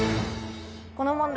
この問題